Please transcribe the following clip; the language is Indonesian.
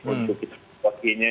untuk kita memperkuatnya